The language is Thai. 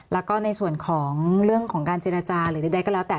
แล้วก็ในส่วนของเรื่องของการเจรจาหรือใดก็แล้วแต่